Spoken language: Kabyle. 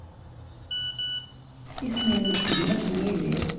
Isem-nnes gma-s n Yidir?